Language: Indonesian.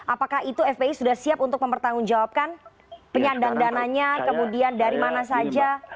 apakah itu fpi sudah siap untuk mempertanggungjawabkan penyandang dananya kemudian dari mana saja